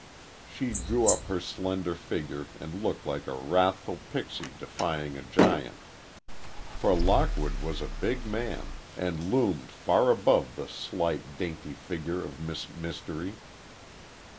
She drew up her slender figure and looked like a wrathful pixie defying a giant. For Lockwood was a big man, and loomed far above the slight, dainty figure of Miss Mystery.